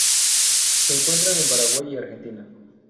Se encuentra en Paraguay y Argentina.